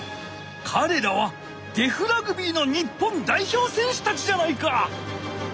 かれらはデフラグビーの日本代表せんしゅたちじゃないか。